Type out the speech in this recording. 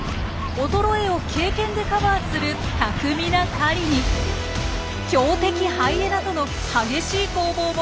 衰えを経験でカバーする巧みな狩りに強敵ハイエナとの激しい攻防も繰り広げます。